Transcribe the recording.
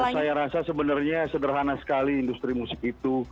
saya rasa sebenarnya sederhana sekali industri musik itu